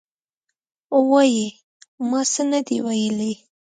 وایي: ما څه نه دي ویلي.